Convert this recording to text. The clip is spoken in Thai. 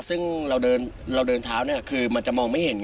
ซึ่งเราเดินเท้าคือมันจะมองไม่เห็น